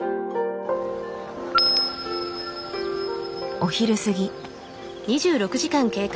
お昼過ぎ。